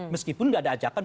meskipun gak ada ajakan